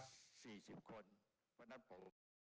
๔๐คนมันนับโผล่